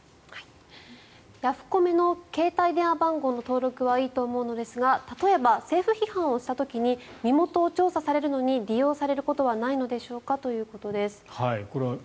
ヤフコメの携帯電話番号の登録はいいと思うのですが例えば政府批判をした時に身元を調査されるのに利用されることはないのでしょうか？ということです。